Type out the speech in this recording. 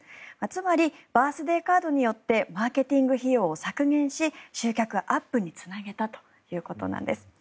つまりバースデーカードによってマーケティング費用を削減し集客アップにつなげたということなんです。